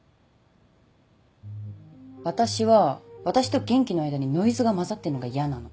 私は私と元気の間にノイズが混ざってんのが嫌なの。